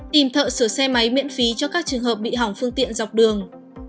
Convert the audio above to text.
tìm thợ sửa xe máy miễn phí cho các trường hợp bị hỏng phương tiện dọc đường